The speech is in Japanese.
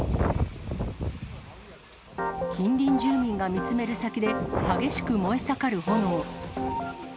近隣住民が見つめる先で激しく燃え盛る炎。